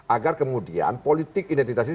agar kemudian politik identitas itu